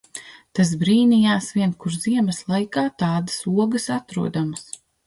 Tas brīnījās vien, kur ziemas laikā tādas ogas atrodamas.